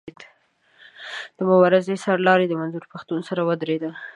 د مبارزې د سر لاري منظور پښتون سره ودرېد.